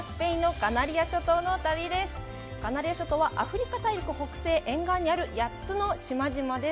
カナリア諸島はアフリカ大陸北西沿岸にある８つの島々です。